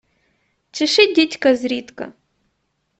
Чеши дідька зрідка.